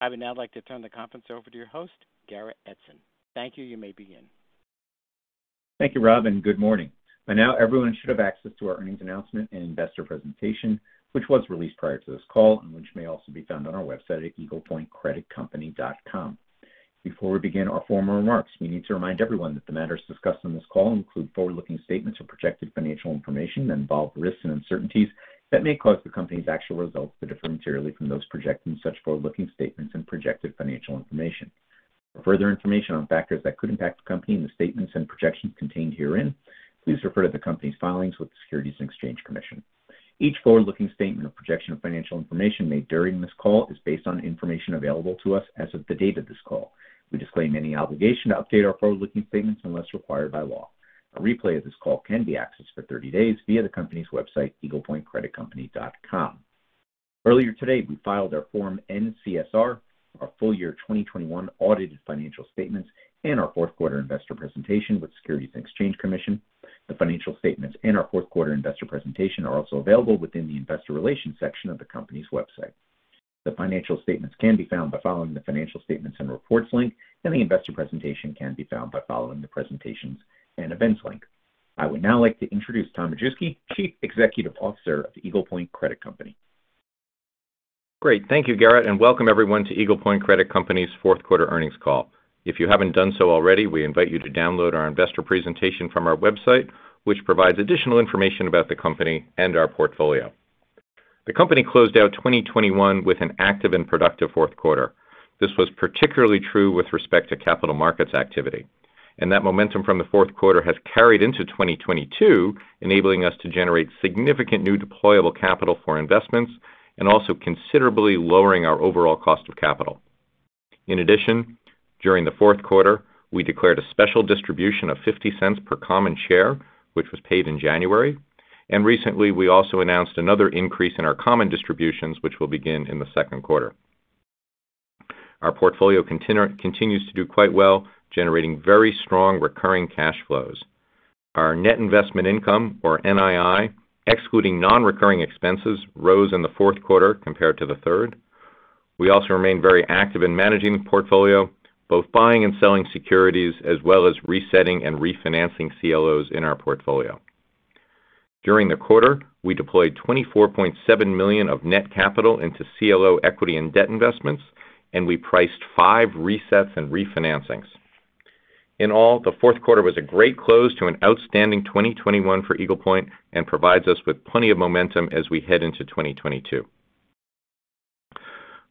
I would now like to turn the conference over to your host, Garrett Edson. Thank you. You may begin. Thank you, Rob, and good morning. By now, everyone should have access to our earnings announcement and investor presentation, which was released prior to this call and which may also be found on our website at eaglepointcreditcompany.com. Before we begin our formal remarks, we need to remind everyone that the matters discussed on this call include forward-looking statements or projected financial information that involve risks and uncertainties that may cause the company's actual results to differ materially from those projected in such forward-looking statements and projected financial information. For further information on factors that could impact the company and the statements and projections contained herein, please refer to the company's filings with the Securities and Exchange Commission. Each forward-looking statement or projection of financial information made during this call is based on information available to us as of the date of this call. We disclaim any obligation to update our forward-looking statements unless required by law. A replay of this call can be accessed for 30 days via the company's website, eaglepointcreditcompany.com. Earlier today, we filed our Form N-CSR, our full year 2021 audited financial statements, and our fourth quarter investor presentation with Securities and Exchange Commission. The financial statements and our fourth quarter investor presentation are also available within the Investor Relations section of the company's website. The financial statements can be found by following the Financial Statements and Reports link, and the investor presentation can be found by following the Presentations & Events link. I would now like to introduce Tom Majewski, Chief Executive Officer of Eagle Point Credit Company. Great. Thank you, Garrett, and welcome everyone to Eagle Point Credit Company's fourth quarter earnings call. If you haven't done so already, we invite you to download our investor presentation from our website, which provides additional information about the company and our portfolio. The company closed out 2021 with an active and productive fourth quarter. This was particularly true with respect to capital markets activity. That momentum from the fourth quarter has carried into 2022, enabling us to generate significant new deployable capital for investments and also considerably lowering our overall cost of capital. In addition, during the fourth quarter, we declared a special distribution of $0.50 per common share, which was paid in January. Recently, we also announced another increase in our common distributions, which will begin in the second quarter. Our portfolio continues to do quite well, generating very strong recurring cash flows. Our net investment income, or NII, excluding non-recurring expenses, rose in the fourth quarter compared to the third. We also remain very active in managing the portfolio, both buying and selling securities, as well as resetting and refinancing CLOs in our portfolio. During the quarter, we deployed $24.7 million of net capital into CLO equity and debt investments, and we priced five resets and refinancings. In all, the fourth quarter was a great close to an outstanding 2021 for Eagle Point and provides us with plenty of momentum as we head into 2022.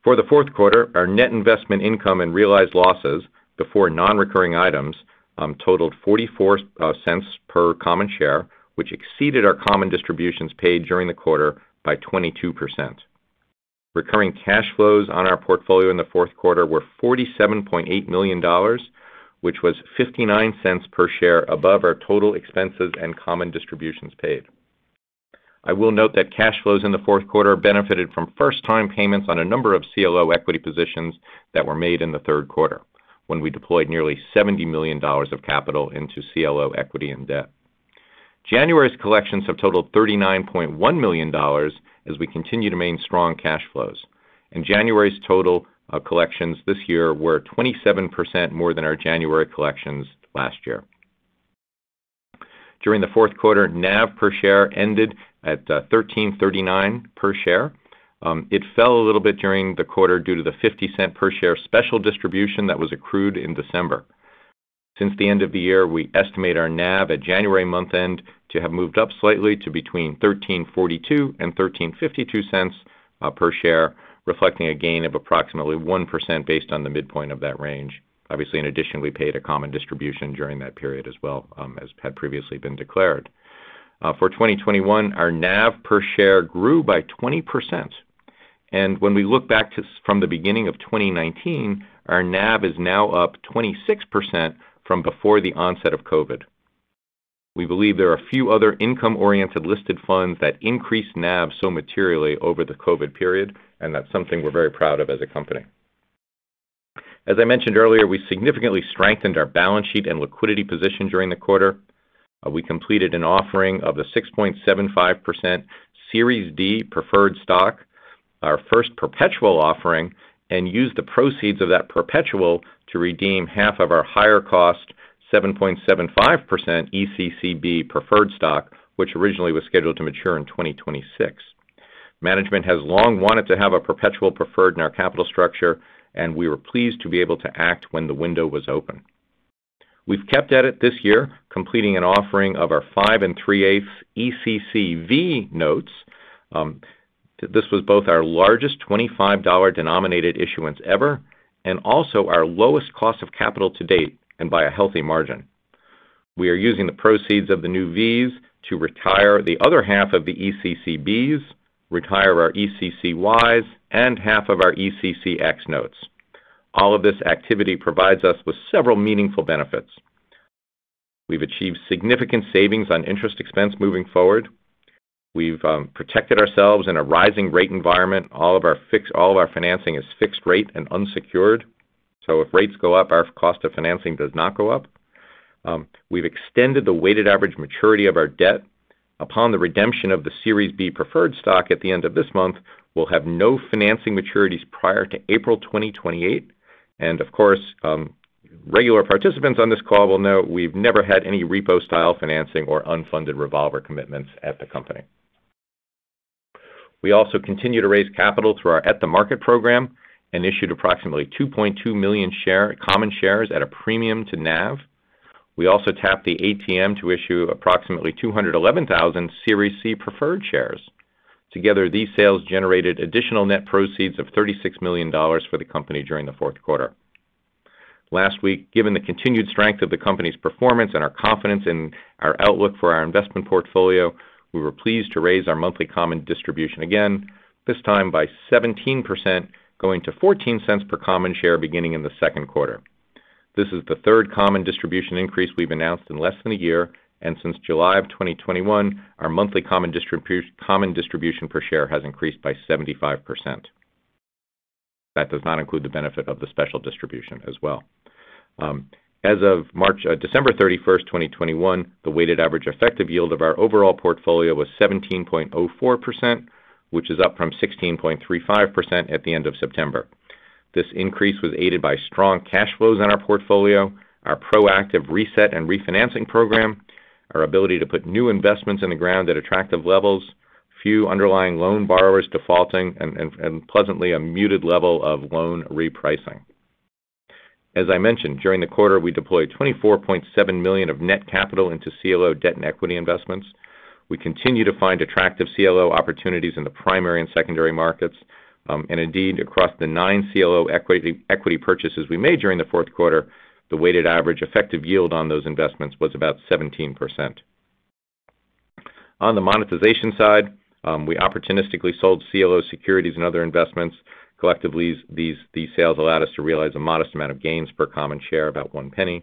For the fourth quarter, our net investment income and realized losses before non-recurring items totaled $0.44 per common share, which exceeded our common distributions paid during the quarter by 22%. Recurring cash flows on our portfolio in the fourth quarter were $47.8 million, which was $0.59 per share above our total expenses and common distributions paid. I will note that cash flows in the fourth quarter benefited from first-time payments on a number of CLO equity positions that were made in the third quarter when we deployed nearly $70 million of capital into CLO equity and debt. January's collections have totaled $39.1 million as we continue to maintain strong cash flows. January's total collections this year were 27% more than our January collections last year. During the fourth quarter, NAV per share ended at $13.39 per share. It fell a little bit during the quarter due to the $0.50 per share special distribution that was accrued in December. Since the end of the year, we estimate our NAV at January month-end to have moved up slightly to between $13.42 and $13.52 per share, reflecting a gain of approximately 1% based on the midpoint of that range. Obviously, in addition, we paid a common distribution during that period as well, as had previously been declared. For 2021, our NAV per share grew by 20%. When we look back from the beginning of 2019, our NAV is now up 26% from before the onset of COVID. We believe there are a few other income-oriented listed funds that increased NAV so materially over the COVID period, and that's something we're very proud of as a company. As I mentioned earlier, we significantly strengthened our balance sheet and liquidity position during the quarter. We completed an offering of the 6.75% Series D Preferred Stock, our first perpetual offering, and used the proceeds of that perpetual to redeem half of our higher cost 7.75% ECCB Preferred Stock, which originally was scheduled to mature in 2026. Management has long wanted to have a perpetual preferred in our capital structure, and we were pleased to be able to act when the window was open. We've kept at it this year, completing an offering of our 5.375% ECCV notes. This was both our largest $25 denominated issuance ever and also our lowest cost of capital to date and by a healthy margin. We are using the proceeds of the new Vs to retire the other half of the ECCBs, retire our ECCYs, and half of our ECCX notes. All of this activity provides us with several meaningful benefits. We've achieved significant savings on interest expense moving forward. We've protected ourselves in a rising rate environment. All of our financing is fixed rate and unsecured. If rates go up, our cost of financing does not go up. We've extended the weighted average maturity of our debt. Upon the redemption of the Series B Preferred Stock at the end of this month, we'll have no financing maturities prior to April 2028. Of course, regular participants on this call will know we've never had any repo style financing or unfunded revolver commitments at the company. We also continue to raise capital through our at-the-market program and issued approximately 2.2 million common shares at a premium to NAV. We also tapped the ATM to issue approximately 211,000 Series C preferred shares. Together, these sales generated additional net proceeds of $36 million for the company during the fourth quarter. Last week, given the continued strength of the company's performance and our confidence in our outlook for our investment portfolio, we were pleased to raise our monthly common distribution again, this time by 17%, going to $0.14 per common share beginning in the second quarter. This is the third common distribution increase we've announced in less than a year, and since July 2021, our monthly common distribution per share has increased by 75%. That does not include the benefit of the special distribution as well. As of December 31st, 2021, the weighted average effective yield of our overall portfolio was 17.04%, which is up from 16.35% at the end of September. This increase was aided by strong cash flows in our portfolio, our proactive reset and refinancing program, our ability to put new investments in the ground at attractive levels, few underlying loan borrowers defaulting, and pleasantly a muted level of loan repricing. As I mentioned, during the quarter, we deployed $24.7 million of net capital into CLO debt and equity investments. We continue to find attractive CLO opportunities in the primary and secondary markets. Indeed, across the nine CLO equity purchases we made during the fourth quarter, the weighted average effective yield on those investments was about 17%. On the monetization side, we opportunistically sold CLO securities and other investments. Collectively, these sales allowed us to realize a modest amount of gains per common share, about $0.01.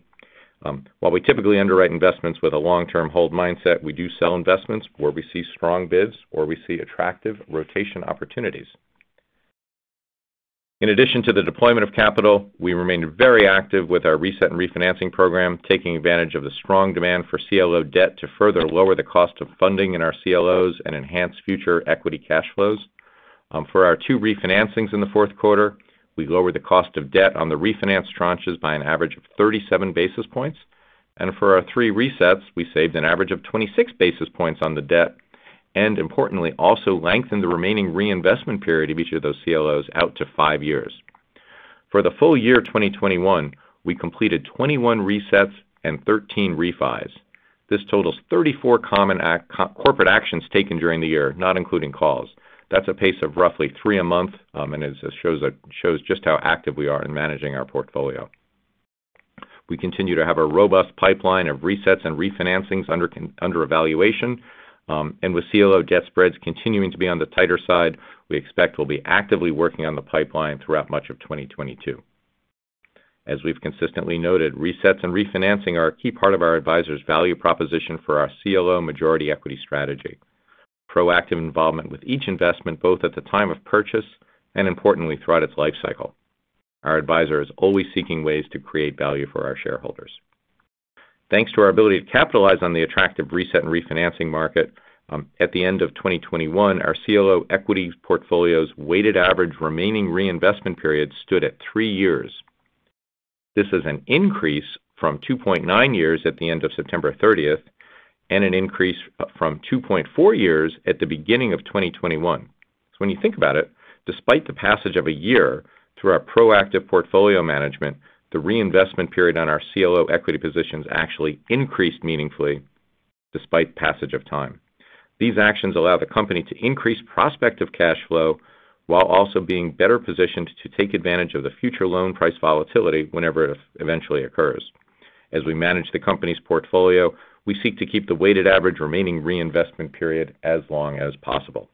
While we typically underwrite investments with a long-term hold mindset, we do sell investments where we see strong bids or we see attractive rotation opportunities. In addition to the deployment of capital, we remained very active with our recent refinancing program, taking advantage of the strong demand for CLO debt to further lower the cost of funding in our CLOs and enhance future equity cash flows. For our two refinancings in the fourth quarter, we lowered the cost of debt on the refinance tranches by an average of 37 basis points. For our three resets, we saved an average of 26 basis points on the debt, and importantly, also lengthened the remaining reinvestment period of each of those CLOs out to five years. For the full year of 2021, we completed 21 resets and 13 refis. This totals 34 corporate actions taken during the year, not including calls. That's a pace of roughly three a month, and it shows just how active we are in managing our portfolio. We continue to have a robust pipeline of resets and refinancings under evaluation. With CLO debt spreads continuing to be on the tighter side, we expect we'll be actively working on the pipeline throughout much of 2022. As we've consistently noted, resets and refinancing are a key part of our advisor's value proposition for our CLO majority equity strategy. Proactive involvement with each investment, both at the time of purchase and importantly, throughout its life cycle. Our advisor is always seeking ways to create value for our shareholders. Thanks to our ability to capitalize on the attractive reset and refinancing market, at the end of 2021, our CLO equity portfolio's weighted average remaining reinvestment period stood at three years. This is an increase from 2.9 years at the end of September 30th, and an increase from 2.4 years at the beginning of 2021. When you think about it, despite the passage of a year through our proactive portfolio management, the reinvestment period on our CLO equity positions actually increased meaningfully despite passage of time. These actions allow the company to increase prospective cash flow while also being better positioned to take advantage of the future loan price volatility whenever it eventually occurs. As we manage the company's portfolio, we seek to keep the weighted average remaining reinvestment period as long as possible.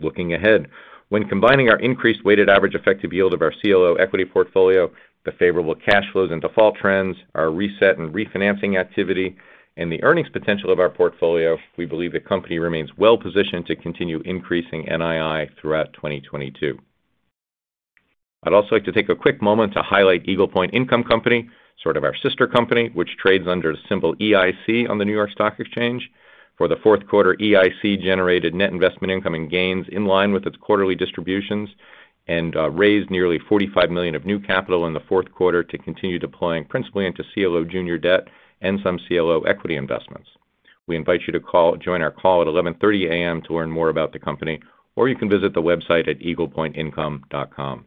Looking ahead, when combining our increased weighted average effective yield of our CLO equity portfolio, the favorable cash flows and default trends, our reset and refinancing activity, and the earnings potential of our portfolio, we believe the company remains well-positioned to continue increasing NII throughout 2022. I'd also like to take a quick moment to highlight Eagle Point Income Company, sort of our sister company, which trades under the symbol EIC on the New York Stock Exchange. For the fourth quarter, EIC generated net investment income and gains in line with its quarterly distributions, and raised nearly $45 million of new capital in the fourth quarter to continue deploying principally into CLO junior debt and some CLO equity investments. We invite you to join our call at 11:30 A.M. to learn more about the company, or you can visit the website at eaglepointincome.com.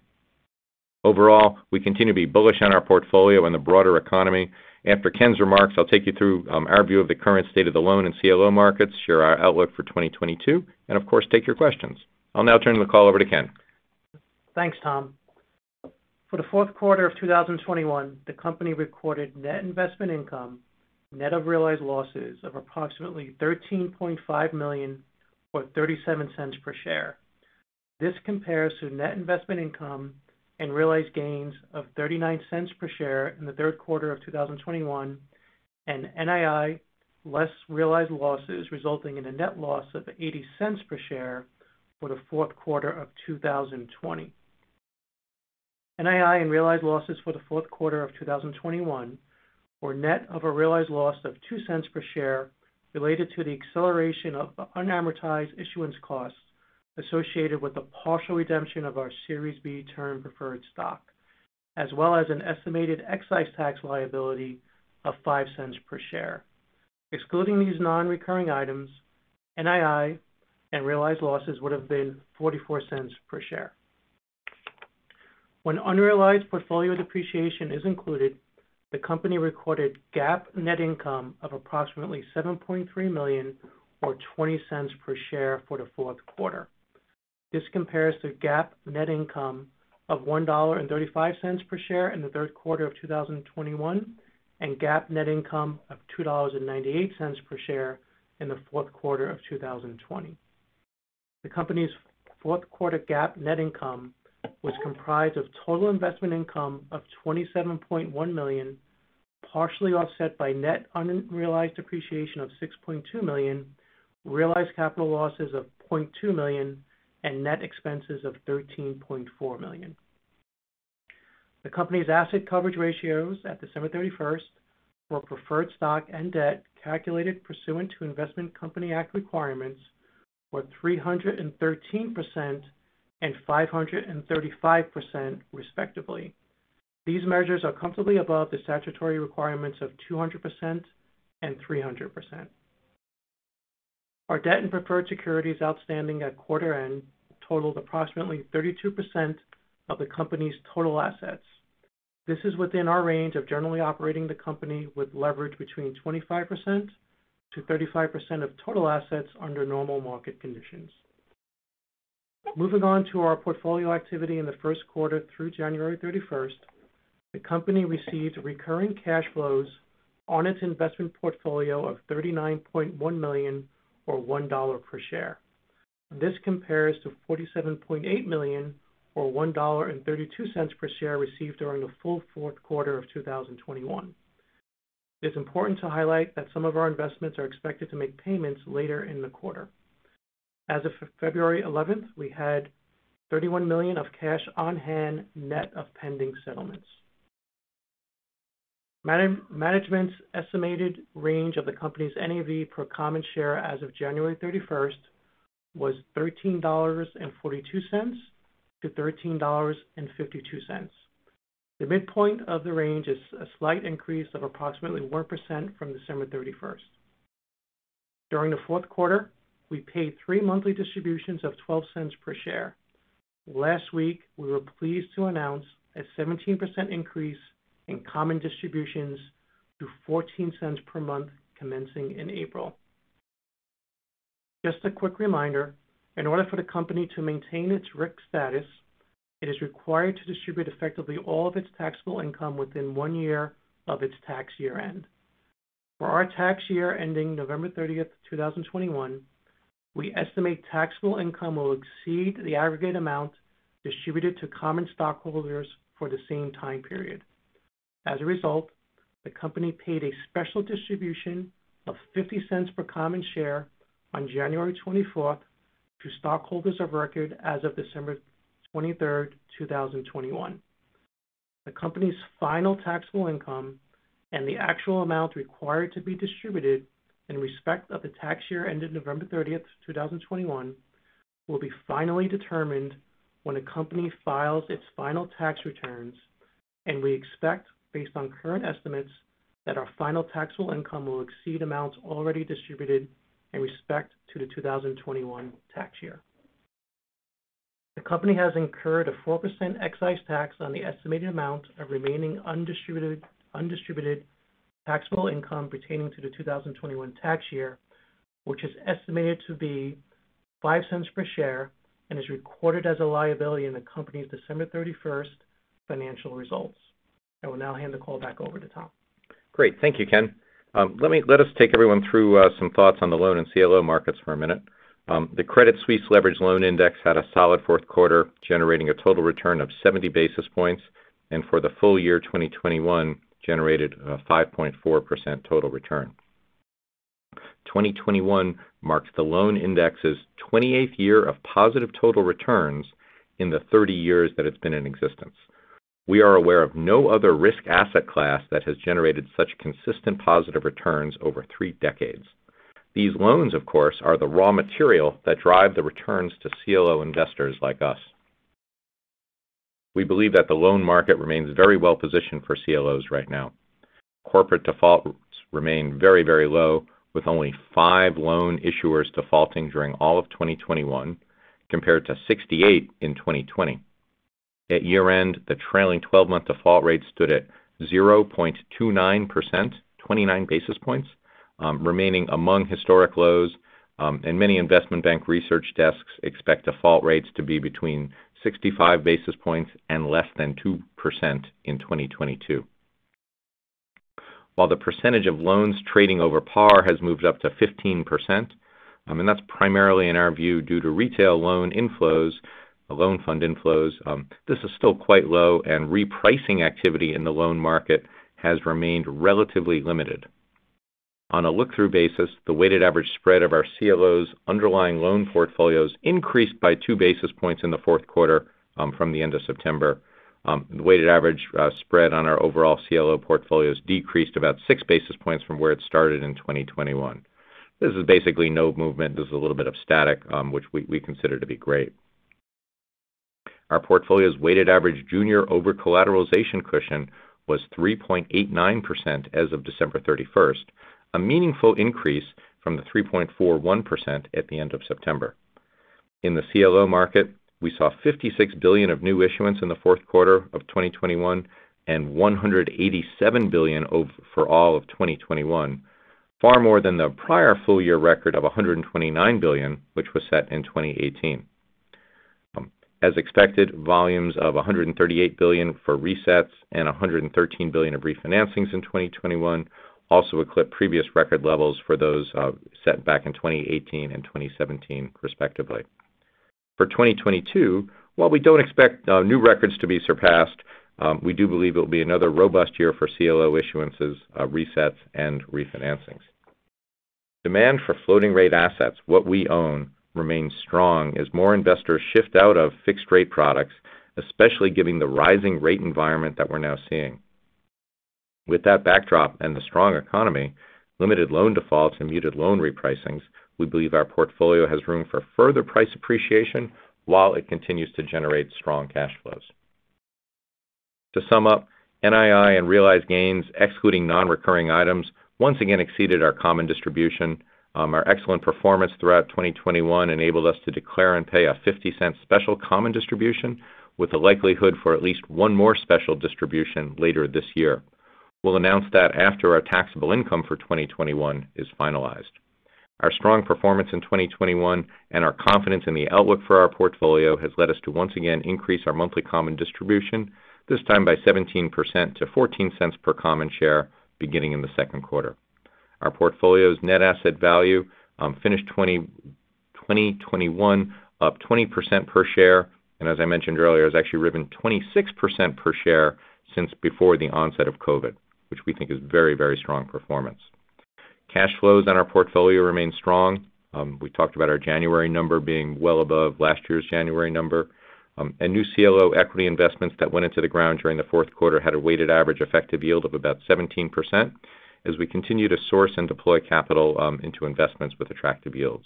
Overall, we continue to be bullish on our portfolio and the broader economy. After Ken's remarks, I'll take you through our view of the current state of the loan and CLO markets, share our outlook for 2022, and of course, take your questions. I'll now turn the call over to Ken. Thanks, Tom. For the fourth quarter of 2021, the company recorded net investment income net of realized losses of approximately $13.5 million, or $0.37 per share. This compares to net investment income and realized gains of $0.39 per share in the third quarter of 2021. NII less realized losses resulting in a net loss of $0.80 per share for the fourth quarter of 2020. NII and realized losses for the fourth quarter of 2021 were net of a realized loss of $0.02 per share related to the acceleration of unamortized issuance costs associated with the partial redemption of our Series B Term Preferred Stock, as well as an estimated excise tax liability of $0.05 per share. Excluding these non-recurring items, NII and realized losses would have been $0.44 per share. When unrealized portfolio depreciation is included, the company recorded GAAP net income of approximately $7.3 million or $0.20 per share for the fourth quarter. This compares to GAAP net income of $1.35 per share in the third quarter of 2021, and GAAP net income of $2.98 per share in the fourth quarter of 2020. The company's fourth quarter GAAP net income was comprised of total investment income of $27.1 million, partially offset by net unrealized depreciation of $6.2 million, realized capital losses of $0.2 million, and net expenses of $13.4 million. The company's asset coverage ratios at December 31st for preferred stock and debt calculated pursuant to Investment Company Act requirements were 313% and 535%, respectively. These measures are comfortably above the statutory requirements of 200% and 300%. Our debt and preferred securities outstanding at quarter end totaled approximately 32% of the company's total assets. This is within our range of generally operating the company with leverage between 25%-35% of total assets under normal market conditions. Moving on to our portfolio activity in the first quarter through January 31st. The company received recurring cash flows on its investment portfolio of $39.1 million or $1 per share. This compares to $47.8 million or $1.32 per share received during the full fourth quarter of 2021. It's important to highlight that some of our investments are expected to make payments later in the quarter. As of February 11th, we had $31 million of cash on hand net of pending settlements. Management's estimated range of the company's NAV per common share as of January 31st was $13.42-$13.52. The midpoint of the range is a slight increase of approximately 1% from December 31st. During the fourth quarter, we paid three monthly distributions of $0.12 per share. Last week, we were pleased to announce a 17% increase in common distributions to $0.14 per month commencing in April. Just a quick reminder, in order for the company to maintain its RIC status, it is required to distribute effectively all of its taxable income within one year of its tax year-end. For our tax year ending November 30th, 2021, we estimate taxable income will exceed the aggregate amount distributed to common stockholders for the same time period. As a result, the company paid a special distribution of $0.50 per common share on January 24th to stockholders of record as of December 23rd, 2021. The company's final taxable income and the actual amount required to be distributed in respect of the tax year ended November 30th, 2021, will be finally determined when the company files its final tax returns. We expect, based on current estimates, that our final taxable income will exceed amounts already distributed in respect of the 2021 tax year. The company has incurred a 4% excise tax on the estimated amount of remaining undistributed taxable income pertaining to the 2021 tax year, which is estimated to be $0.05 per share, and is recorded as a liability in the company's December 31st financial results. I will now hand the call back over to Tom. Great. Thank you, Ken. Let us take everyone through some thoughts on the loan and CLO markets for a minute. The Credit Suisse Leveraged Loan Index had a solid fourth quarter, generating a total return of 70 basis points, and for the full year 2021 generated a 5.4% total return. 2021 marks the loan index's 28th year of positive total returns in the 30 years that it's been in existence. We are aware of no other risk asset class that has generated such consistent positive returns over three decades. These loans, of course, are the raw material that drive the returns to CLO investors like us. We believe that the loan market remains very well positioned for CLOs right now. Corporate defaults remain very, very low, with only five loan issuers defaulting during all of 2021, compared to 68 in 2020. At year-end, the trailing 12-month default rate stood at 0.29%, 29 basis points, remaining among historic lows. Many investment bank research desks expect default rates to be between 65 basis points and less than 2% in 2022. While the percentage of loans trading over par has moved up to 15%, and that's primarily in our view due to retail loan inflows, loan fund inflows, this is still quite low, and repricing activity in the loan market has remained relatively limited. On a look-through basis, the weighted average spread of our CLOs underlying loan portfolios increased by 2 basis points in the fourth quarter, from the end of September. The weighted average spread on our overall CLO portfolios decreased about 6 basis points from where it started in 2021. This is basically no movement. This is a little bit of stasis, which we consider to be great. Our portfolio's weighted average junior overcollateralization cushion was 3.89% as of December 31st, a meaningful increase from the 3.41% at the end of September. In the CLO market, we saw $56 billion of new issuance in the fourth quarter of 2021 and $187 billion for all of 2021, far more than the prior full year record of $129 billion, which was set in 2018. As expected, volumes of $138 billion for resets and $113 billion of refinancings in 2021 also eclipsed previous record levels for those, set back in 2018 and 2017 respectively. For 2022, while we don't expect new records to be surpassed, we do believe it'll be another robust year for CLO issuances, resets and refinancings. Demand for floating rate assets, what we own, remains strong as more investors shift out of fixed-rate products, especially given the rising rate environment that we're now seeing. With that backdrop and the strong economy, limited loan defaults and muted loan repricings, we believe our portfolio has room for further price appreciation while it continues to generate strong cash flows. To sum up, NII and realized gains excluding non-recurring items once again exceeded our common distribution. Our excellent performance throughout 2021 enabled us to declare and pay a $0.50 special common distribution with the likelihood for at least one more special distribution later this year. We'll announce that after our taxable income for 2021 is finalized. Our strong performance in 2021 and our confidence in the outlook for our portfolio has led us to once again increase our monthly common distribution, this time by 17% to $0.14 per common share beginning in the second quarter. Our portfolio's net asset value finished 2021 up 20% per share, and as I mentioned earlier, has actually risen 26% per share since before the onset of COVID, which we think is very, very strong performance. Cash flows on our portfolio remain strong. We talked about our January number being well above last year's January number. New CLO equity investments that went into the ground during the fourth quarter had a weighted average effective yield of about 17% as we continue to source and deploy capital into investments with attractive yields.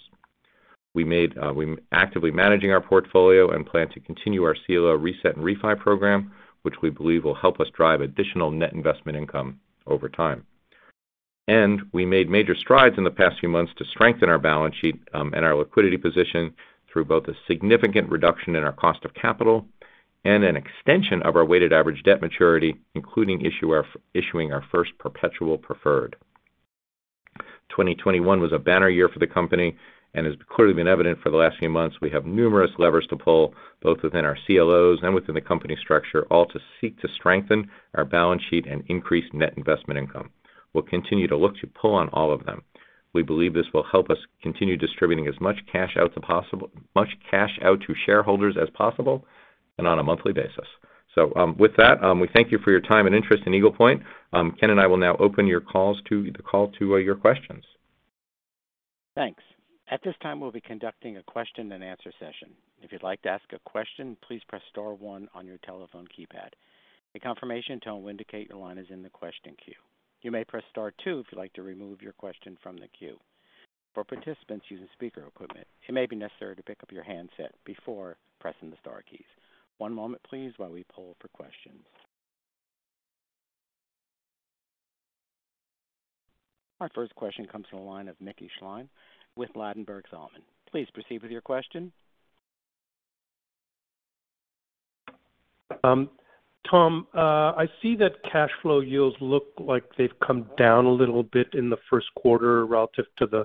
We're actively managing our portfolio and plan to continue our CLO reset and refi program, which we believe will help us drive additional net investment income over time. We made major strides in the past few months to strengthen our balance sheet and our liquidity position through both a significant reduction in our cost of capital and an extension of our weighted average debt maturity, including issuing our first perpetual preferred. 2021 was a banner year for the company, and it's clearly been evident for the last few months we have numerous levers to pull, both within our CLOs and within the company structure, all to seek to strengthen our balance sheet and increase net investment income. We'll continue to look to pull on all of them. We believe this will help us continue distributing as much cash out to shareholders as possible and on a monthly basis. With that, we thank you for your time and interest in Eagle Point. Ken and I will now open the call to your questions. Thanks. At this time, we'll be conducting a question-and-answer session. If you'd like to ask a question, please press star one on your telephone keypad. A confirmation tone will indicate your line is in the question queue. You may press star two if you'd like to remove your question from the queue. For participants using speaker equipment, it may be necessary to pick up your handset before pressing the star keys. One moment, please, while we poll for questions. Our first question comes from the line of Mickey Schleien with Ladenburg Thalmann. Please proceed with your question. Tom, I see that cash flow yields look like they've come down a little bit in the first quarter relative to the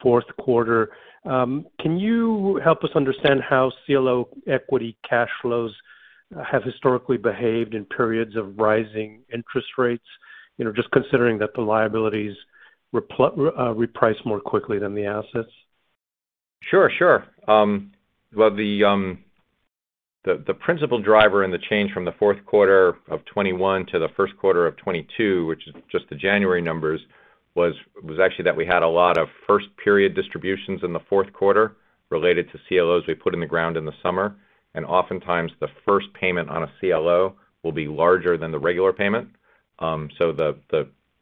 fourth quarter. Can you help us understand how CLO equity cash flows have historically behaved in periods of rising interest rates? You know, just considering that the liabilities reprice more quickly than the assets. Sure, sure. Well, the principal driver in the change from the fourth quarter of 2021 to the first quarter of 2022, which is just the January numbers, was actually that we had a lot of first period distributions in the fourth quarter related to CLOs we put in the ground in the summer, and oftentimes the first payment on a CLO will be larger than the regular payment.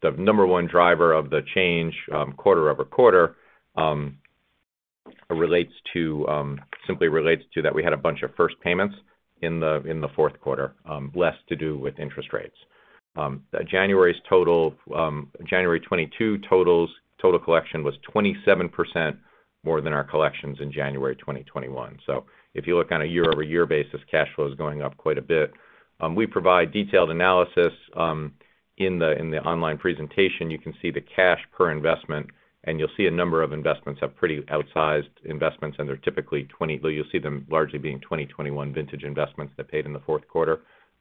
The number one driver of the change quarter-over-quarter relates simply to that we had a bunch of first payments in the fourth quarter, less to do with interest rates. January's total collection was 27% more than our collections in January 2021. If you look on a year-over-year basis, cash flow is going up quite a bit. We provide detailed analysis in the online presentation. You can see the cash per investment, and you'll see a number of investments have pretty outsized investments, and they're typically twenty. You'll see them largely being 2021 vintage investments that paid in the fourth quarter.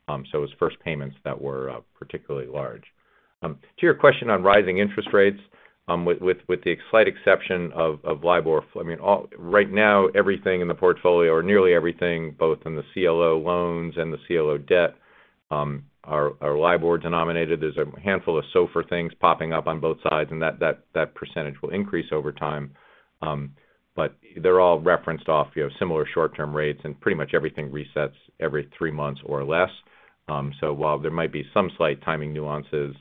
It was first payments that were particularly large. To your question on rising interest rates, with the slight exception of LIBOR, I mean, all right now everything in the portfolio or nearly everything, both in the CLO loans and the CLO debt, our LIBOR denominated. There's a handful of SOFR things popping up on both sides, and that percentage will increase over time. They're all referenced off, you know, similar short-term rates, and pretty much everything resets every three months or less. While there might be some slight timing nuances,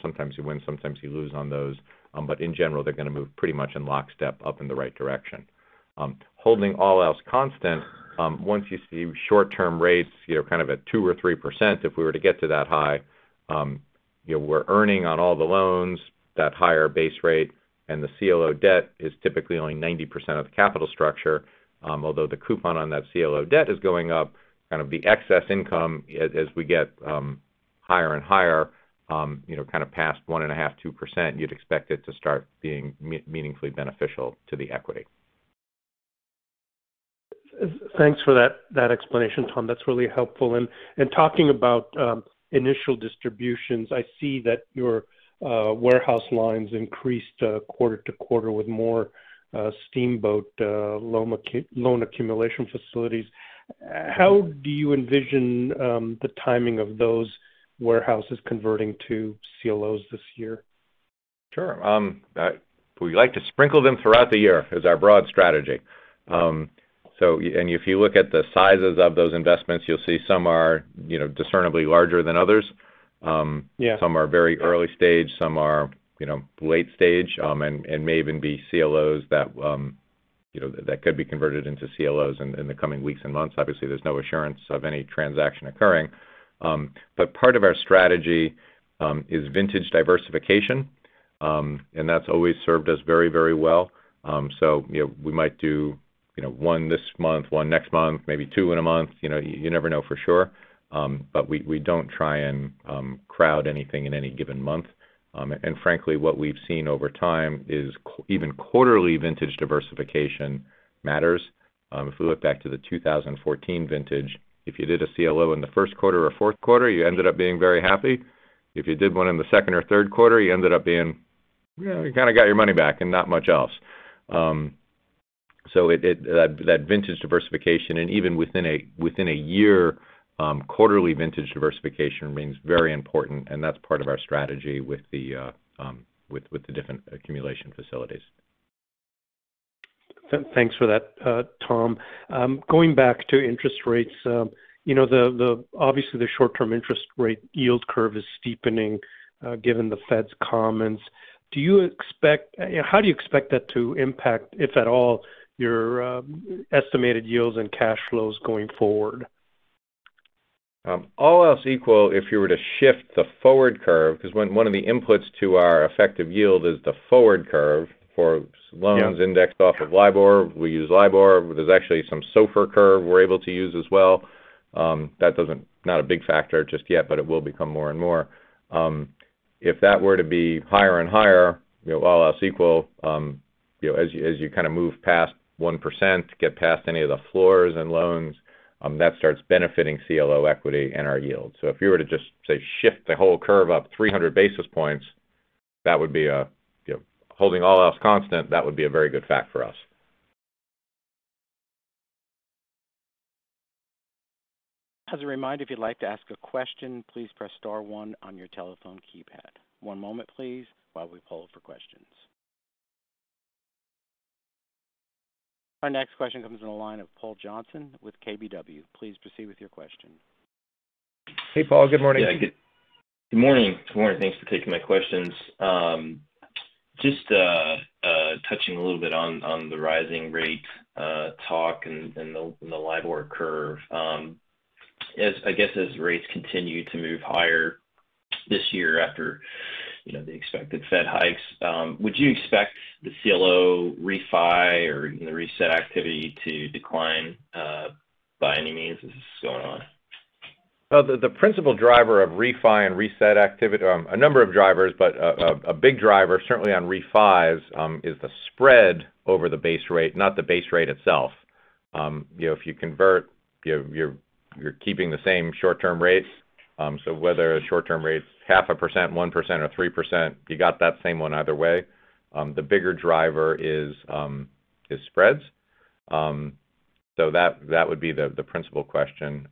sometimes you win, sometimes you lose on those. In general, they're gonna move pretty much in lockstep up in the right direction. Holding all else constant, once you see short-term rates, you know, kind of at 2% or 3%, if we were to get to that high, you know, we're earning on all the loans that higher base rate and the CLO debt is typically only 90% of the capital structure. Although the coupon on that CLO debt is going up, kind of the excess income as we get higher and higher, you know, kind of past 1.5%-2%, you'd expect it to start being meaningfully beneficial to the equity. Thanks for that explanation, Tom. That's really helpful. Talking about initial distributions, I see that your warehouse lines increased quarter-to-quarter with more Steamboat loan accumulation facilities. How do you envision the timing of those warehouses converting to CLOs this year? Sure. We like to sprinkle them throughout the year, is our broad strategy. If you look at the sizes of those investments, you'll see some are, you know, discernibly larger than others. Yeah. Some are very early stage, some are, you know, late stage, and may even be CLOs that, you know, that could be converted into CLOs in the coming weeks and months. Obviously, there's no assurance of any transaction occurring. Part of our strategy is vintage diversification, and that's always served us very, very well. You know, we might do, you know, one this month, one next month, maybe two in a month. You know, you never know for sure. We don't try and crowd anything in any given month. Frankly, what we've seen over time is even quarterly vintage diversification matters. If we look back to the 2014 vintage, if you did a CLO in the first quarter or fourth quarter, you ended up being very happy. If you did one in the second or third quarter, you ended up being, you know, you kinda got your money back and not much else. That vintage diversification and even within a year, quarterly vintage diversification remains very important, and that's part of our strategy with the different accumulation facilities. Thanks for that, Tom. Going back to interest rates, you know, obviously the short-term interest rate yield curve is steepening, given the Fed's comments. How do you expect that to impact, if at all, your estimated yields and cash flows going forward? All else equal, if you were to shift the forward curve, 'cause one of the inputs to our effective yield is the forward curve for loans. Yeah. Indexed off of LIBOR. We use LIBOR. There's actually some SOFR curve we're able to use as well. Not a big factor just yet, but it will become more and more. If that were to be higher and higher, you know, all else equal, you know, as you kinda move past 1%, get past any of the floors and loans, that starts benefiting CLO equity and our yield. If you were to just say, shift the whole curve up 300 basis points, that would be a, you know, holding all else constant, that would be a very good factor for us. As a reminder, if you'd like to ask a question, please press star one on your telephone keypad. One moment, please, while we poll for questions. Our next question comes from the line of Paul Johnson with KBW. Please proceed with your question. Hey, Paul. Good morning. Yeah. Good morning. Good morning. Thanks for taking my questions. Just touching a little bit on the rising rate talk and the LIBOR curve. As I guess as rates continue to move higher this year after you know the expected Fed hikes, would you expect the CLO refi or the reset activity to decline by any means as this is going on? The principal driver of refi and reset, a number of drivers, but a big driver certainly on refis, is the spread over the base rate, not the base rate itself. You know, if you convert, you're keeping the same short-term rates. So whether a short-term rate's 0.5%, 1% or 3%, you got that same one either way. The bigger driver is spread. So that would be the principal question.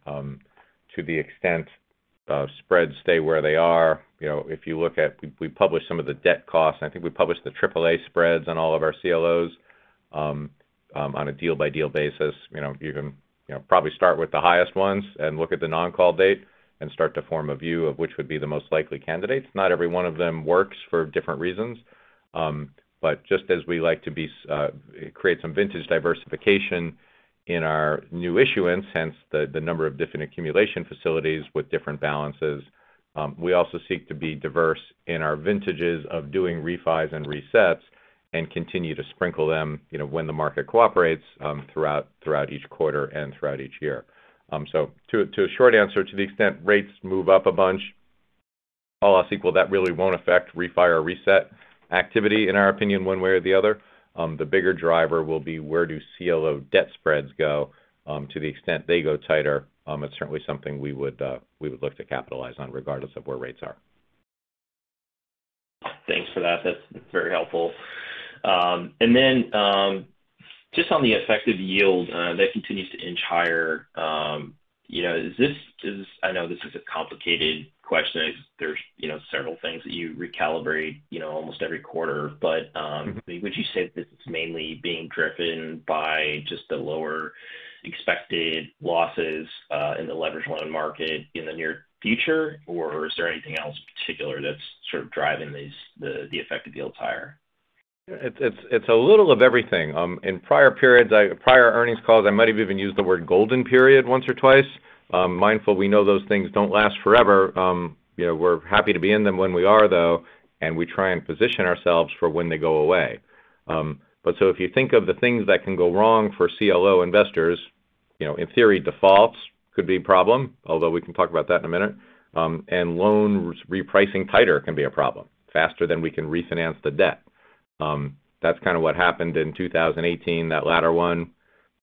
To the extent of spreads stay where they are. You know, if you look at. We published some of the debt costs. I think we published the AAA spreads on all of our CLOs on a deal-by-deal basis. You know, you can, you know, probably start with the highest ones and look at the non-call date and start to form a view of which would be the most likely candidates. Not every one of them works for different reasons. Just as we like to create some vintage diversification in our new issuance, hence the number of different accumulation facilities with different balances, we also seek to be diverse in our vintages of doing refis and resets and continue to sprinkle them, you know, when the market cooperates, throughout each quarter and throughout each year. To a short answer, to the extent rates move up a bunch, all else equal, that really won't affect refi or reset activity in our opinion one way or the other. The bigger driver will be where do CLO debt spreads go, to the extent they go tighter. It's certainly something we would look to capitalize on regardless of where rates are. Thanks for that. That's very helpful. Just on the effective yield, that continues to inch higher, you know, I know this is a complicated question. There's, you know, several things that you recalibrate, you know, almost every quarter. Mm-hmm Would you say this is mainly being driven by just the lower expected losses in the leveraged loan market in the near future, or is there anything else in particular that's sort of driving these, the effective yields higher? It's a little of everything. In prior earnings calls, I might have even used the word golden period once or twice. Mindful, we know those things don't last forever. You know, we're happy to be in them when we are, though, and we try and position ourselves for when they go away. If you think of the things that can go wrong for CLO investors, you know, in theory, defaults could be a problem, although we can talk about that in a minute. Loan repricing tighter can be a problem, faster than we can refinance the debt. That's kind of what happened in 2018, that latter one.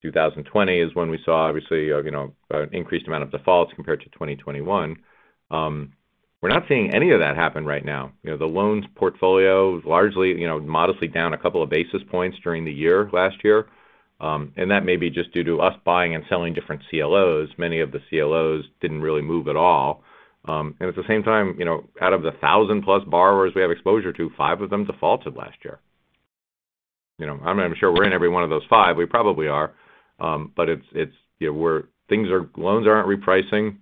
2020 is when we saw obviously, you know, an increased amount of defaults compared to 2021. We're not seeing any of that happen right now. You know, the loans portfolio largely, you know, modestly down a couple of basis points during the year last year. That may be just due to us buying and selling different CLOs. Many of the CLOs didn't really move at all. At the same time, you know, out of the 1000+ borrowers we have exposure to, five of them defaulted last year. You know, I'm not sure we're in every one of those five. We probably are. It's, you know, things are, loans aren't repricing.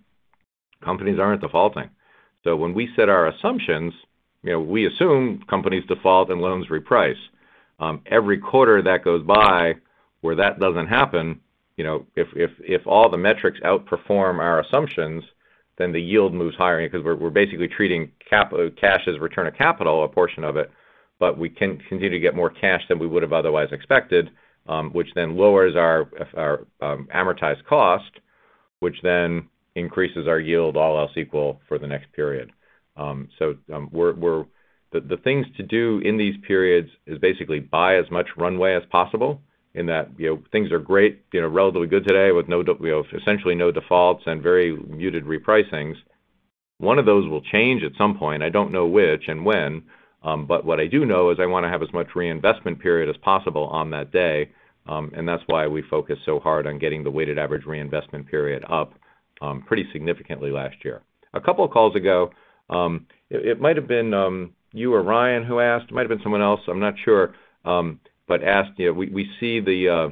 Companies aren't defaulting. When we set our assumptions, you know, we assume companies default and loans reprice. Every quarter that goes by where that doesn't happen, you know, if all the metrics outperform our assumptions, then the yield moves higher because we're basically treating cash as return of capital, a portion of it. We can continue to get more cash than we would have otherwise expected, which then lowers our amortized cost, which then increases our yield all else equal for the next period. The things to do in these periods is basically buy as much runway as possible in that, you know, things are great, you know, relatively good today with you know, essentially no defaults and very muted repricings. One of those will change at some point. I don't know which and when, but what I do know is I want to have as much reinvestment period as possible on that day. And that's why we focus so hard on getting the weighted average reinvestment period up, pretty significantly last year. A couple of calls ago, it might have been you or Ryan who asked, it might have been someone else, I'm not sure, but asked, you know, we see the,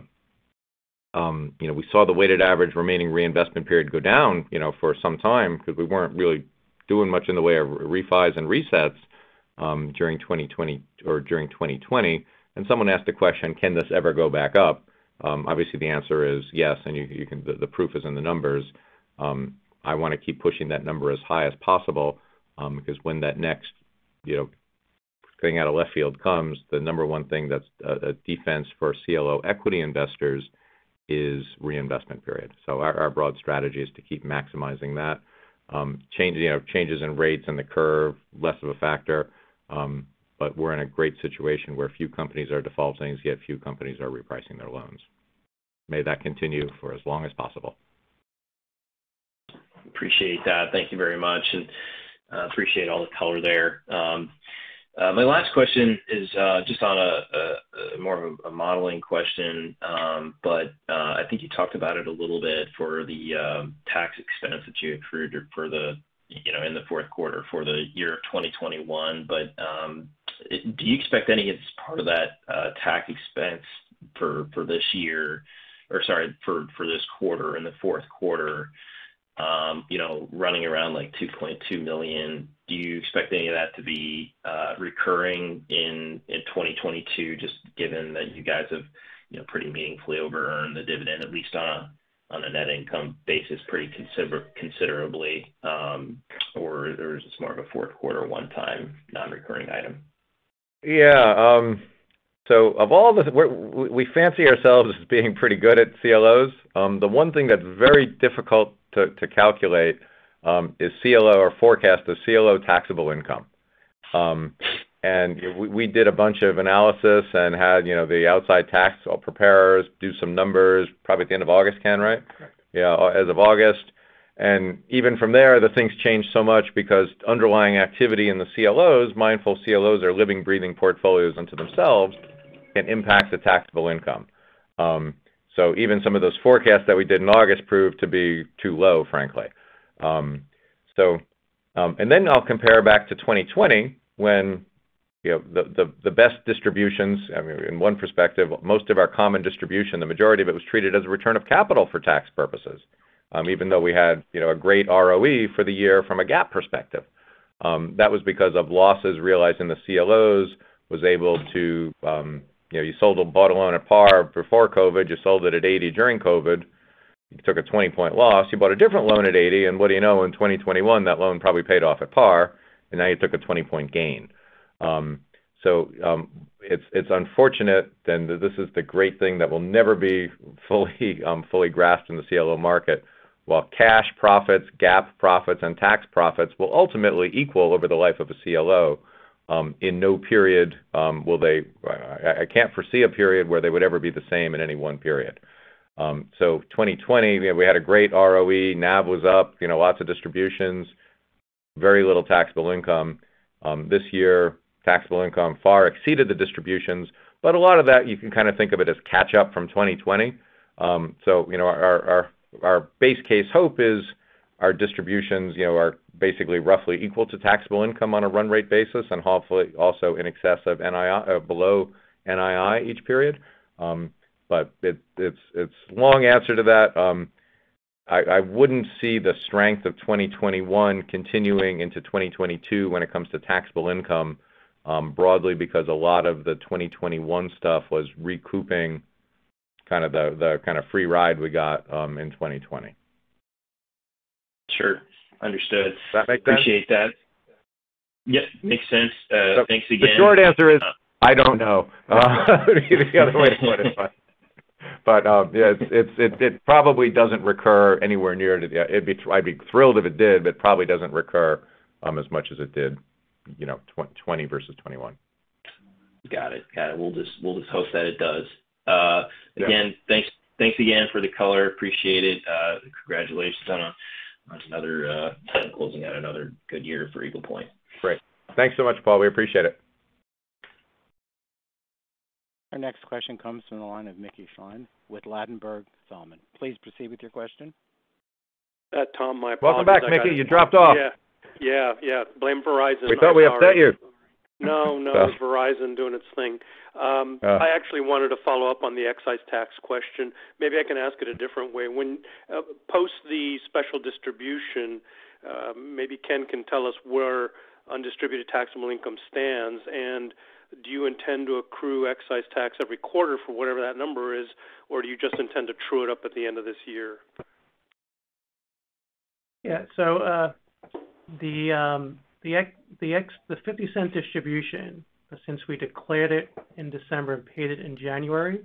you know, we saw the weighted average remaining reinvestment period go down, you know, for some time because we weren't really doing much in the way of refis and resets, during 2020 or during 2020. Someone asked a question, "Can this ever go back up?" Obviously, the answer is yes, and you can, the proof is in the numbers. I want to keep pushing that number as high as possible, 'cause when that next, you know, thing out of left field comes, the number one thing that's a defense for CLO equity investors is reinvestment period. Our broad strategy is to keep maximizing that. Changes in rates and the curve, less of a factor. We're in a great situation where few companies are defaulting, yet few companies are repricing their loans. May that continue for as long as possible. Appreciate that. Thank you very much. Appreciate all the color there. My last question is just on a more of a modeling question. I think you talked about it a little bit for the tax expense that you accrued for the, you know, in the fourth quarter for the year of 2021. Do you expect any of this part of that tax expense for this year or sorry, for this quarter, in the fourth quarter, you know, running around like $2.2 million. Do you expect any of that to be recurring in 2022, just given that you guys have, you know, pretty meaningfully over earned the dividend at least on a net income basis, pretty considerably, or there's more of a fourth quarter one-time non-recurring item? Yeah. We fancy ourselves as being pretty good at CLOs. The one thing that's very difficult to calculate or forecast is the CLO taxable income. We did a bunch of analysis and had, you know, the outside tax preparers do some numbers probably at the end of August, Ken, right? Correct. Yeah. As of August. Even from there, the things changed so much because underlying activity in the CLOs, mindful CLOs are living, breathing portfolios unto themselves and impact the taxable income. Even some of those forecasts that we did in August proved to be too low, frankly. I'll compare back to 2020 when, you know, the best distributions, I mean, in one perspective, most of our common distribution, the majority of it was treated as a return of capital for tax purposes. Even though we had, you know, a great ROE for the year from a GAAP perspective. That was because of losses realized in the CLOs was able to, you know, you sold a bottom loan at par before COVID, you sold it at $0.80 During COVID. You took a 20-point loss. You bought a different loan at $0.80, and what do you know, in 2021, that loan probably paid off at par, and now you took a 20-point gain. It's unfortunate, and this is the great thing that will never be fully grasped in the CLO market. While cash profits, GAAP profits, and tax profits will ultimately equal over the life of a CLO, in no period will they. I can't foresee a period where they would ever be the same in any one period. 2020, we had a great ROE, NAV was up, you know, lots of distributions. Very little taxable income. This year, taxable income far exceeded the distributions. A lot of that you can kind of think of it as catch-up from 2020. You know, our base case hope is our distributions, you know, are basically roughly equal to taxable income on a run rate basis, and hopefully also in excess of NII, below NII each period. It's a long answer to that. I wouldn't see the strength of 2021 continuing into 2022 when it comes to taxable income, broadly because a lot of the 2021 stuff was recouping kind of the kind of free ride we got in 2020. Sure. Understood. Does that make sense? Appreciate that. Yep, makes sense. Thanks again. The short answer is, I don't know. Any other way to put it, but yeah, it probably doesn't recur anywhere near to the. I'd be thrilled if it did, but it probably doesn't recur as much as it did, you know, 2020 versus 2021. Got it. We'll just hope that it does. Yeah. Again, thanks again for the color. I appreciate it. Congratulations on closing out another good year for Eagle Point. Great. Thanks so much, Paul. We appreciate it. Our next question comes from the line of Mickey Schleien with Ladenburg Thalmann. Please proceed with your question. Tom, my apologies. Welcome back, Mickey. You dropped off. Yeah, yeah. Blame Verizon. We thought we upset you. No, no. It was Verizon doing its thing. Yeah. I actually wanted to follow up on the excise tax question. Maybe I can ask it a different way. When post the special distribution, maybe Ken can tell us where undistributed taxable income stands. Do you intend to accrue excise tax every quarter for whatever that number is, or do you just intend to true it up at the end of this year? Yeah. The $0.50 distribution, since we declared it in December and paid it in January,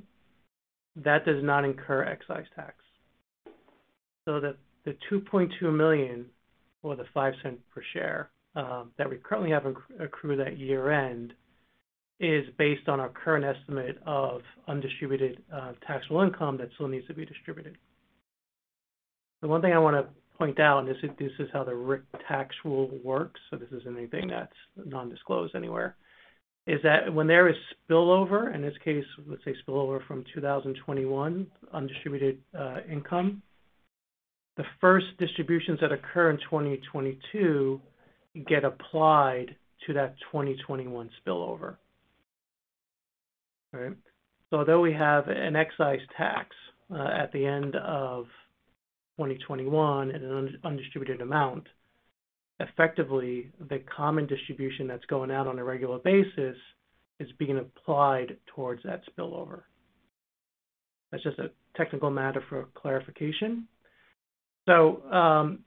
that does not incur excise tax. The $2.2 million or the $0.05 per share that we currently have accrued at year-end is based on our current estimate of undistributed taxable income that still needs to be distributed. The one thing I wanna point out, and this is how the RIC tax rule works, so this isn't anything that's not disclosed anywhere, is that when there is spillover, in this case, let's say spillover from 2021 undistributed income. The first distributions that occur in 2022 get applied to that 2021 spillover. All right. Although we have an excise tax at the end of 2021 at an undistributed amount, effectively, the common distribution that's going out on a regular basis is being applied towards that spillover. That's just a technical matter for clarification. The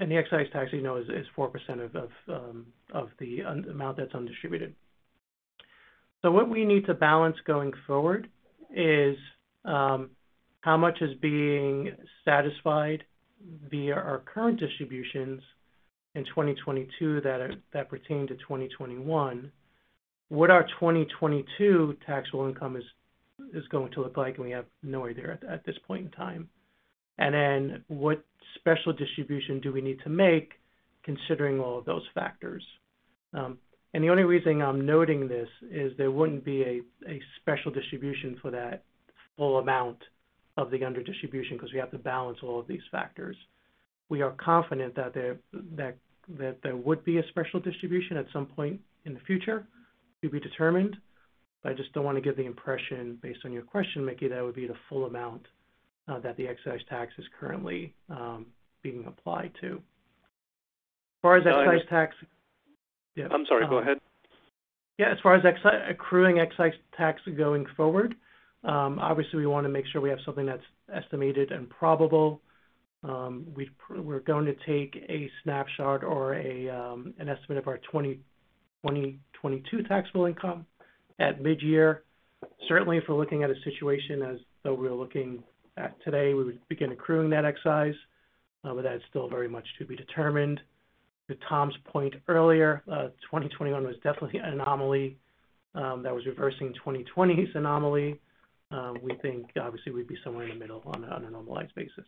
excise tax, you know, is 4% of the amount that's undistributed. What we need to balance going forward is how much is being satisfied via our current distributions in 2022 that pertain to 2021. What our 2022 taxable income is going to look like, and we have no idea at this point in time. Then what special distribution do we need to make considering all of those factors? The only reason I'm noting this is there wouldn't be a special distribution for that full amount of the under distribution because we have to balance all of these factors. We are confident that there would be a special distribution at some point in the future to be determined. I just don't want to give the impression based on your question, Mickey, that it would be the full amount that the excise tax is currently being applied to. As far as excise tax I- Yeah. I'm sorry. Go ahead. Yeah. As far as accruing excise tax going forward, obviously, we wanna make sure we have something that's estimated and probable. We're going to take a snapshot or an estimate of our 2022 taxable income at mid-year. Certainly, if we're looking at a situation as though we're looking at today, we would begin accruing that excise. That is still very much to be determined. To Tom's point earlier, 2021 was definitely an anomaly that was reversing 2020's anomaly. We think obviously we'd be somewhere in the middle on a normalized basis.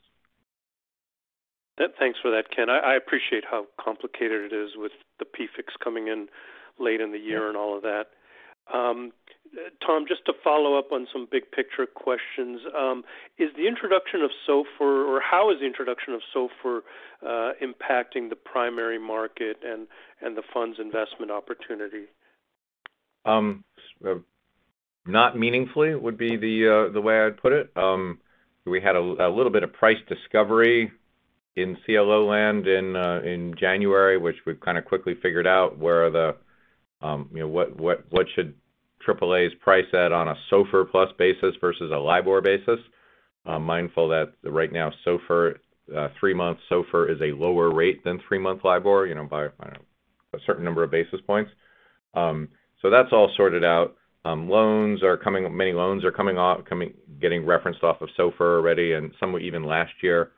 Thanks for that, Ken. I appreciate how complicated it is with the PFICs coming in late in the year and all of that. Tom, just to follow up on some big picture questions. How is the introduction of SOFR impacting the primary market and the fund's investment opportunity? Not meaningfully would be the way I'd put it. We had a little bit of price discovery in CLO land in January, which we've kind of quickly figured out where the, you know, what should AAAs price at on a SOFR plus basis versus a LIBOR basis. I'm mindful that right now, SOFR, three-month SOFR is a lower rate than three-month LIBOR, you know, by, I don't know, a certain number of basis points. So that's all sorted out. Many loans are coming off, getting referenced off of SOFR already and some were even last year.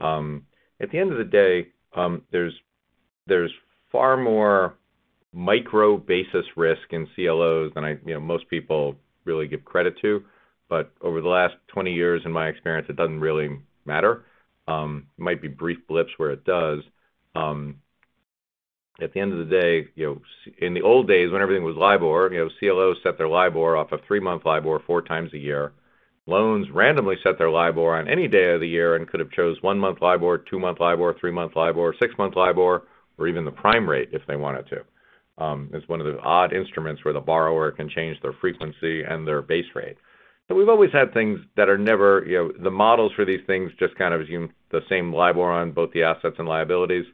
At the end of the day, there's far more micro basis risk in CLOs than I, you know, most people really give credit to. Over the last 20 years, in my experience, it doesn't really matter. Might be brief blips where it does. At the end of the day, you know, in the old days when everything was LIBOR, you know, CLOs set their LIBOR off of three-month LIBOR four times a year. Loans randomly set their LIBOR on any day of the year and could have chose one-month LIBOR, two-month LIBOR, three-month LIBOR, six-month LIBOR, or even the prime rate if they wanted to. It's one of the odd instruments where the borrower can change their frequency and their base rate. We've always had things that are never, you know, the models for these things just kind of assume the same LIBOR on both the assets and liabilities.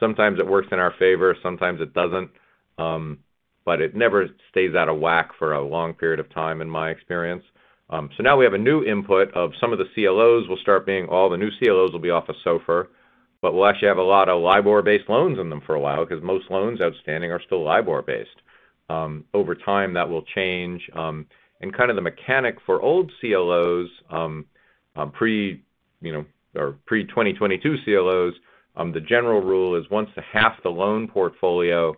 Sometimes it works in our favor, sometimes it doesn't, but it never stays out of whack for a long period of time, in my experience. Now we have a new input of all the new CLOs will be off of SOFR, but we'll actually have a lot of LIBOR-based loans in them for a while because most loans outstanding are still LIBOR-based. Over time, that will change. Kind of the mechanic for old CLOs, pre-2022 CLOs, the general rule is once half the loan portfolio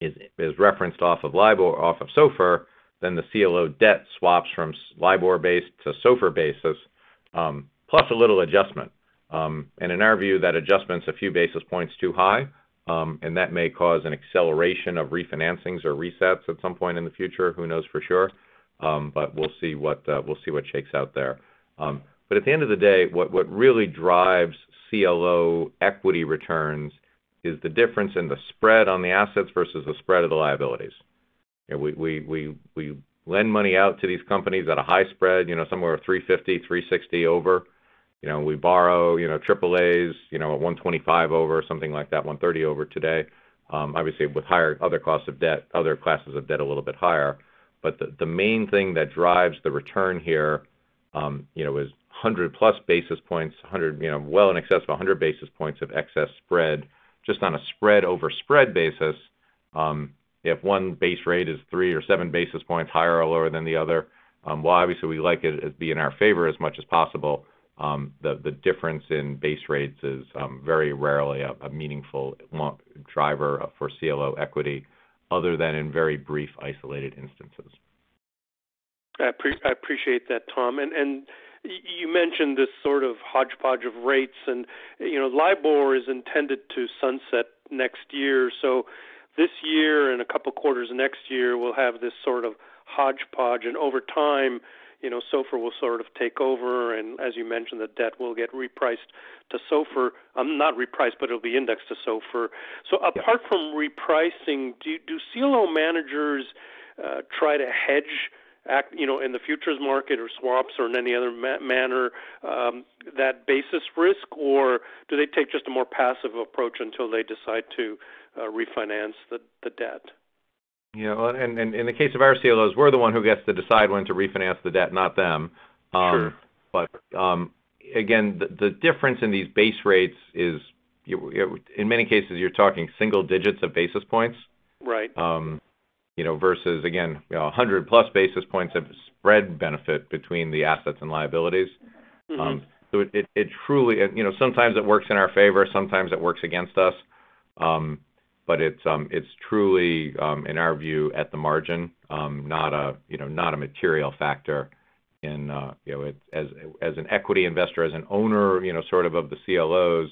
is referenced off of LIBOR or off of SOFR, then the CLO debt swaps from LIBOR-based to SOFR basis, plus a little adjustment. In our view, that adjustment's a few basis points too high, and that may cause an acceleration of refinancings or resets at some point in the future. Who knows for sure? We'll see what we'll see what shakes out there. But at the end of the day, what really drives CLO equity returns is the difference in the spread on the assets versus the spread of the liabilities. You know, we lend money out to these companies at a high spread, you know, somewhere 350 basis points, 360 basis points over. You know, we borrow AAA's, you know, at 125 basis points over something like that, 130 basis points over today. Obviously with higher other costs of debt, other classes of debt a little bit higher. The main thing that drives the return here, you know, is 100+ basis points, well in excess of 100 basis points of excess spread just on a spread over spread basis. If one base rate is 3 basis points or 7 basis points higher or lower than the other, while obviously we like it as being in our favor as much as possible, the difference in base rates is very rarely a meaningful long driver for CLO equity other than in very brief isolated instances. I appreciate that, Tom. You mentioned this sort of hodgepodge of rates and, you know, LIBOR is intended to sunset next year. This year and a couple of quarters next year, we'll have this sort of hodgepodge. Over time, you know, SOFR will sort of take over. As you mentioned, the debt will get repriced to SOFR. Not repriced, but it'll be indexed to SOFR. Yeah. Apart from repricing, do CLO managers try to hedge against, you know, in the futures market or swaps or in any other manner that basis risk? Or do they take just a more passive approach until they decide to refinance the debt? Yeah. In the case of our CLOs, we're the one who gets to decide when to refinance the debt, not them. Sure. Again, the difference in these base rates is in many cases, you're talking single digits of basis points. Right. You know, versus again, you know, 100+ basis points of spread benefit between the assets and liabilities. Mm-hmm. It truly and, you know, sometimes it works in our favor, sometimes it works against us. It's truly, in our view, at the margin, not a, you know, not a material factor in, you know, as an equity investor, as an owner, you know, sort of of the CLOs.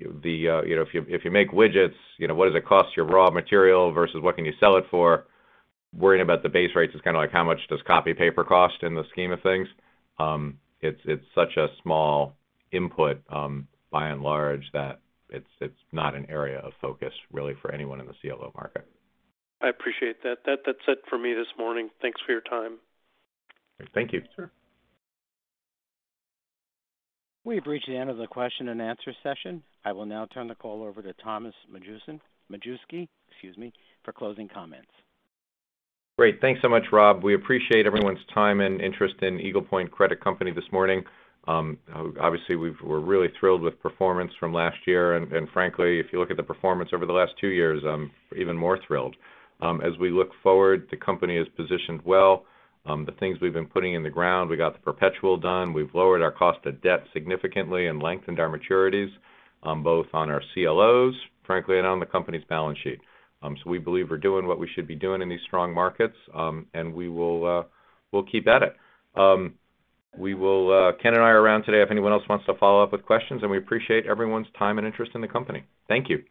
If you make widgets, you know, what does it cost your raw material versus what can you sell it for? Worrying about the base rates is kind of like how much does copy paper cost in the scheme of things. It's such a small input by and large that it's not an area of focus really for anyone in the CLO market. I appreciate that. That's it for me this morning. Thanks for your time. Thank you. Sure. We've reached the end of the question-and-answer session. I will now turn the call over to Thomas Majewski, excuse me, for closing comments. Great. Thanks so much, Rob. We appreciate everyone's time and interest in Eagle Point Credit Company this morning. Obviously, we're really thrilled with performance from last year. Frankly, if you look at the performance over the last two years, I'm even more thrilled. As we look forward, the company is positioned well. The things we've been putting in the ground, we got the perpetual done. We've lowered our cost of debt significantly and lengthened our maturities, both on our CLOs, frankly, and on the company's balance sheet. We believe we're doing what we should be doing in these strong markets. We'll keep at it. Ken and I are around today if anyone else wants to follow up with questions, and we appreciate everyone's time and interest in the company. Thank you.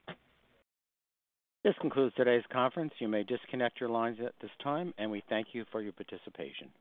This concludes today's conference. You may disconnect your lines at this time, and we thank you for your participation.